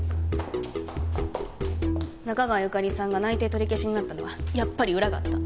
中川由加里さんが内定取り消しになったのはやっぱり裏があった。